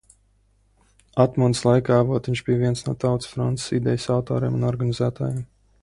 Atmodas laikā Avotiņš bija viens no Tautas frontes idejas autoriem un organizētājiem.